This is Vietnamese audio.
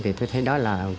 thì tôi thấy đó là